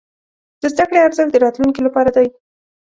د زده کړې ارزښت د راتلونکي لپاره دی.